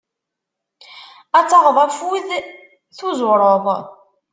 Ad taɣeḍ afud tuẓureḍ.